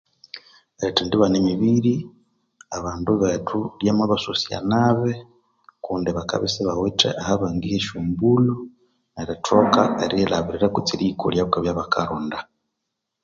Erithendi bana emibiri abandu bethu lyamabasosya nabi kundi bakabya isibawithe ahabangiha esyombulho erithoka eriyilhabirira kutse eriyikolyako ebya bakaronda.